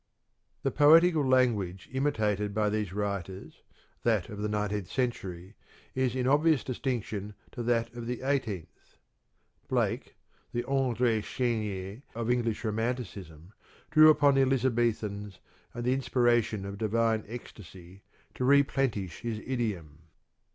The poetical language imitated by these writers, that of the nineteenth century, is in obvious distinc THE NEW POETRY, ETC. 219 tion to that of the eighteenth. Blake, the Andre Ch^nier of English Romanticism, drew upon the Elizabethans and the inspiration of divine ecstasy to replenish his idiom.